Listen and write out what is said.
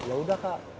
ya udah kak